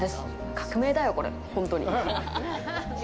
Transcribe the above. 革命だよ、これ、本当に。